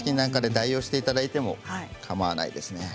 代用していただいても結構ですね。